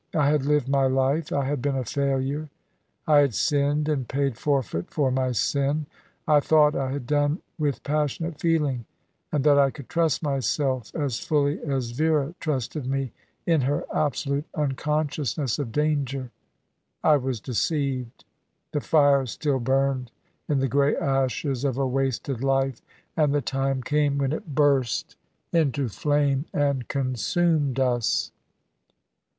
I had lived my life; I had been a failure. I had sinned, and paid forfeit for my sin. I thought I had done with passionate feeling; and that I could trust myself as fully as Vera trusted me, in her absolute unconsciousness of danger. I was deceived. The fire still burned in the grey ashes of a wasted life, and the time came when it burst into flame and consumed us."